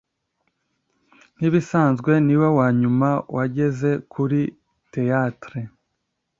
nkibisanzwe, niwe wanyuma wageze kuri theatre